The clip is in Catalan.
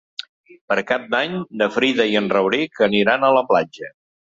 Per Cap d'Any na Frida i en Rauric aniran a la platja.